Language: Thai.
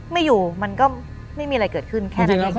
ไม่อยู่มันก็ไม่มีอะไรเกิดขึ้นแค่นั้นเอง